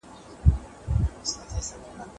زه د ښوونځی لپاره تياری کړی دی.